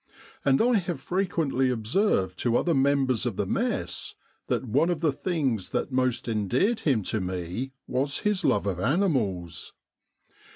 And I have frequently observed to other members of the mess, that one of the things that most endeared him to me was his love of animals.